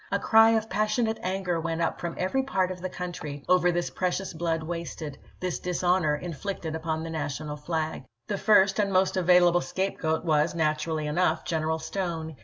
A cry of passionate anger went up from every part of the country over this precious blood wasted, this dishonor inflicted upon the National flag. The first and most available scapegoat was, nat urally enough, General Stone.